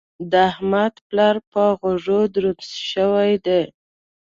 د احمد پلار په غوږو دروند شوی دی.